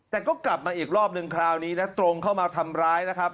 แต่ก็กลับมาอีกรอบนึงคราวนี้นะตรงเข้ามาทำร้ายนะครับ